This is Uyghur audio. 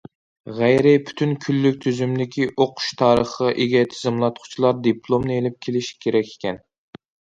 غەيرىي پۈتۈن كۈنلۈك تۈزۈمدىكى ئوقۇش تارىخىغا ئىگە تىزىملاتقۇچىلار دىپلومنى ئېلىپ كېلىش كېرەك ئىكەن.